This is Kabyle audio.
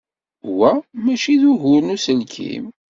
Wa maci d ugur n uselkim.